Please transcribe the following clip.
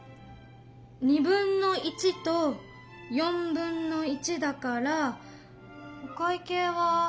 1/2と1/4だからお会計は。